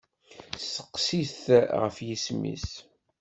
Steqsi-t ɣef yisem-is.